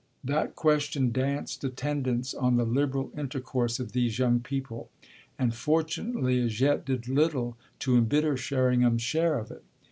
That question danced attendance on the liberal intercourse of these young people and fortunately as yet did little to embitter Sherringham's share of it.